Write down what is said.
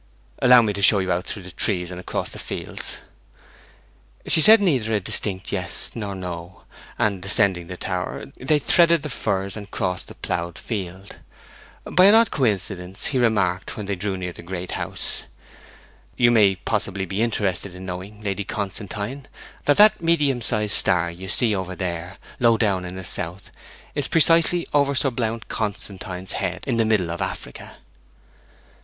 'Allow me to show you out through the trees and across the fields?' She said neither a distinct yes nor no; and, descending the tower, they threaded the firs and crossed the ploughed field. By an odd coincidence he remarked, when they drew near the Great House 'You may possibly be interested in knowing, Lady Constantine, that that medium sized star you see over there, low down in the south, is precisely over Sir Blount Constantine's head in the middle of Africa.'